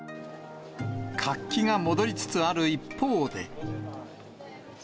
活気が戻りつつある一方で。